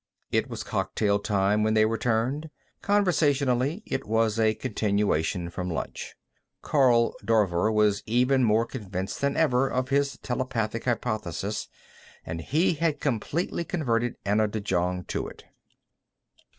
It was cocktail time when they returned; conversationally, it was a continuation from lunch. Karl Dorver was even more convinced than ever of his telepathic hypothesis, and he had completely converted Anna de Jong to it.